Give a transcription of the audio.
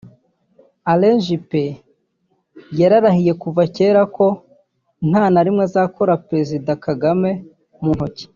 Alain Juppe yararahiye kuva cyera ko nta na rimwe azakora President Paul Kagame mu ntoki